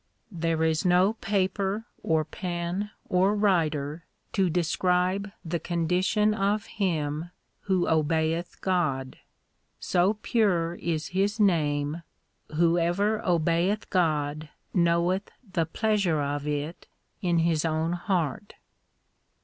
There is no paper, or pen, or writer To describe the condition of him who obeyeth God. So pure is His name Whoever obeyeth God knoweth the pleasure of it in his own heart.